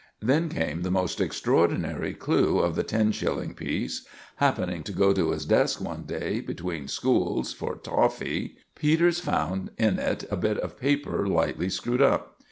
Then came the most extraordinary clue of the ten shilling piece. Happening to go to his desk one day—between schools—for toffee, Peters found in it a bit of paper lightly screwed up.